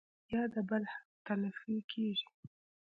يا د بل حق تلفي کيږي